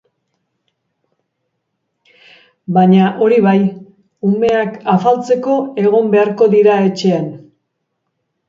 Baina, hori bai, umeak afaltzeko egon beharko dira etxean.